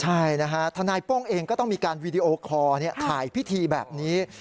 ใช่นะฮะทนายโป้งเองก็ต้องมีการวีดีโอคอร์ถ่ายพิธีแบบนี้